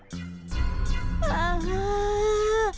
ああ。